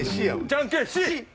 じゃんけんしっ！